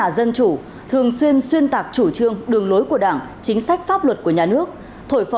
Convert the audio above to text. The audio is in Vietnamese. xin chào và hẹn gặp lại